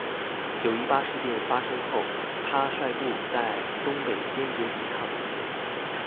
九一八事变发生后他率部在东北坚决抵抗。